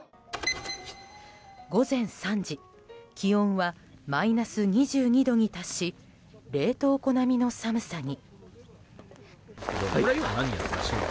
午前３時気温はマイナス２２度に達し冷凍庫並みの寒さに。